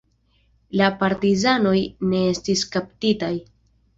La partizanoj ne estis kaptitaj.